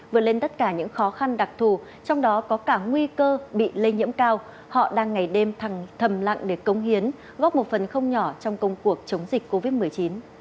vượt lên tất cả những khó khăn đặc thù trong đó có cả nguy cơ bị lây nhiễm cao họ đang ngày đêm thầm lặng để công hiến góp một phần không nhỏ trong công cuộc chống dịch covid một mươi chín